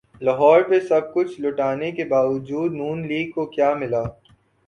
لاہور پہ سب کچھ لٹانے کے باوجود ن لیگ کو کیا ملا؟